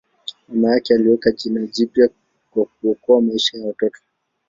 Mama yake aliweka jina jipya kwa kuokoa maisha ya mtoto.